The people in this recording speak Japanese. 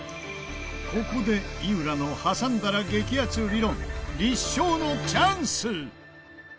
ここで井浦の挟んだら激アツ理論立証のチャンス！